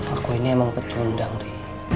aku ini emang pecundang nih